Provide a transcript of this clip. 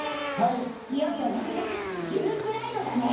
いよいよ６月ジューンブライドだね！